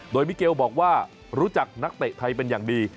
โดยมิเกลบอกว่ารู้จักนักเตะไทยเป็นอย่างดี